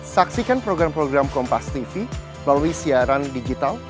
saksikan program program kompastv melalui siaran digital